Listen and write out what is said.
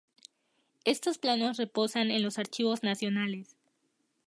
Estos planos reposan en los Archivos Nacionales.